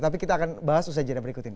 tapi kita akan bahas usaha jadwal berikut ini